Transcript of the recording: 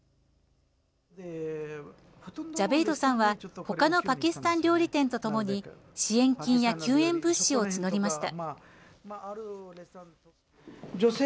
ジャベイドさんは他のパキスタン料理店とともに支援金や救援物資を募りました。